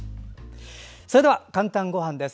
それでは「かんたんごはん」です。